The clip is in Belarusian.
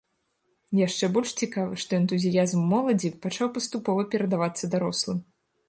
Яшчэ больш цікава, што энтузіязм моладзі пачаў паступова перадавацца дарослым.